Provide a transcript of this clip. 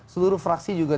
seluruh fraksi juga